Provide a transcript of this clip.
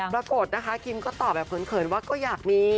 ปรากฏคิมก็ตอบแบบเขินว่าอยากมี